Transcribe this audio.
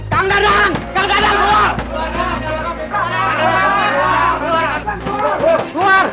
kang gadang kang gadang keluar